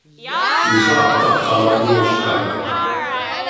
Ixaap tapxa ma, yoozcam.